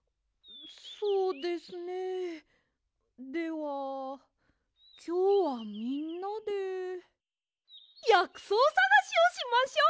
そうですねではきょうはみんなでやくそうさがしをしましょう！